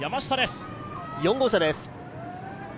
４号車です。